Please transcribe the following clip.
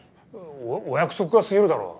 お約束が過ぎるだろ！